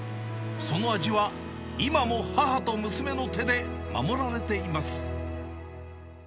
その味は今も母と娘の手で守られています。